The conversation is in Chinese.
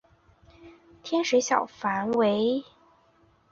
天水小檗为小檗科小檗属下的一个种。